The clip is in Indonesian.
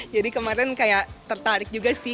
jadi kemarin kayak tertarik juga sih